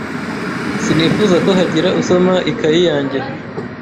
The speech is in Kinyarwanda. sinifuza ko hagira usoma ikayi yanjye.